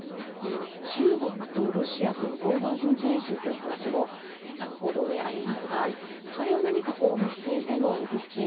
中国とロシアとの合同軍事演習という話も報道でありますがそれを何か見据えての動きは？